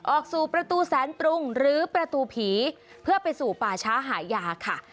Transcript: ออกสู่ประตูแสนปรุงหรือประตูผีเพื่อไปสู่ป่าช้าหายาค่ะ